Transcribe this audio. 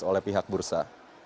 pada pihak bursa